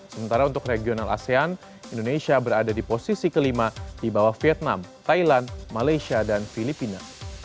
sementara untuk regional asean indonesia berada di posisi kelima di bawah vietnam thailand malaysia dan filipina